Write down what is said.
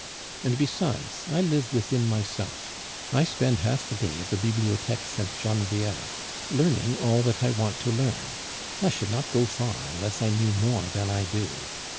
And besides, I live within myself, I spend half the day at the Bibliotheque Sainte Genevieve, learning all that I want to learn; I should not go far unless I knew more than I do.